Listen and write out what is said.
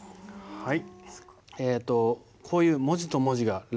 はい。